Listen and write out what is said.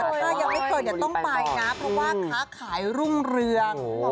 ว่ายังไม่เคยต้องไปนะเพราะว่าค้าขายรุ่งเรือง